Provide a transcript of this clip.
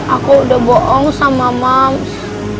aku udah bohong sama maps